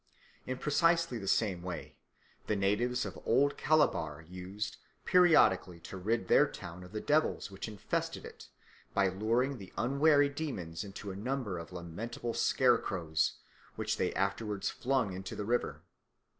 In precisely the same way the natives of Old Calabar used periodically to rid their town of the devils which infested it by luring the unwary demons into a number of lamentable scarecrows, which they afterwards flung into the river.